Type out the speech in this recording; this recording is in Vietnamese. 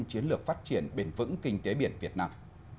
chiến lược phát triển bền vững kinh tế biển việt nam